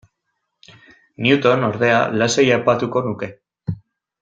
Newton, ordea, lasai aipatuko nuke.